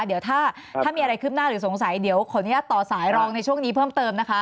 เดี๋ยวถ้ามีอะไรคืบหน้าหรือสงสัยเดี๋ยวขออนุญาตต่อสายรองในช่วงนี้เพิ่มเติมนะคะ